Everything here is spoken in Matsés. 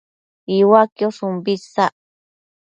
Iuaquiosh umbi isac